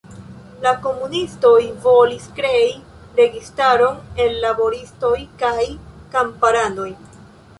La komunistoj volis krei registaron el laboristoj kaj kamparanoj.